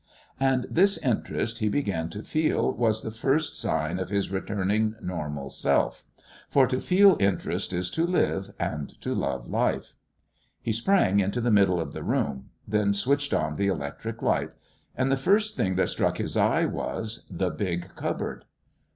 And this interest he began to feel was the first sign of his returning normal Self. For to feel interest is to live, and to love life. He sprang into the middle of the room then switched on the electric light. And the first thing that struck his eye was the big cupboard.